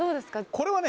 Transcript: これはね